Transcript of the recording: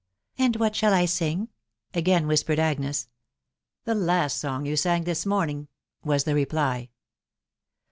cc And what shall I sing?" again whispered Agnes. " The last song you sang this morning/' was the reply.